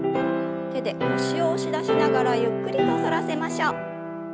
手で腰を押し出しながらゆっくりと反らせましょう。